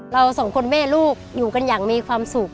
เราสองคนแม่ลูกอยู่กันอย่างมีความสุข